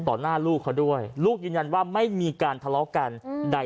หน้าลูกเขาด้วยลูกยืนยันว่าไม่มีการทะเลาะกันใด